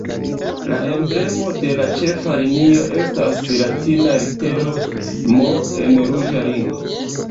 La emblemo de la ĉefa linio estas latina litero "M" en ruĝa ringo.